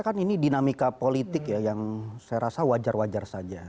ya saya rasa kan ini dinamika politik ya yang saya rasa wajar wajar saja